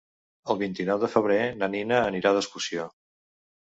El vint-i-nou de febrer na Nina anirà d'excursió.